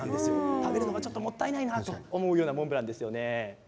食べるのが、ちょっともったいないなと思うようなモンブランなんですよね。